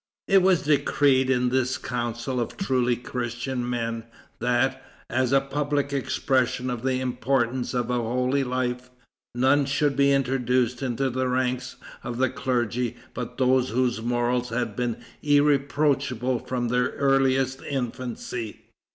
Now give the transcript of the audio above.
It was decreed in this council of truly Christian men, that, as a public expression of the importance of a holy life, none should be introduced into the ranks of the clergy but those whose morals had been irreproachable from their earliest infancy.